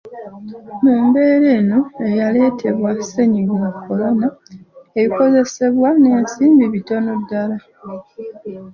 Mu mbeera eno eyaleetebwa ssennyiga Kolona, ebikozesebwa n'ensimbi bitono ddala.